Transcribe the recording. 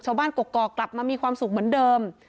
ชาวบ้านกรกกรกลับมามีความสุขเหมือนเดิม